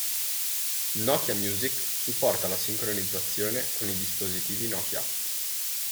Nokia Music supporta la sincronizzazione con i dispositivi Nokia.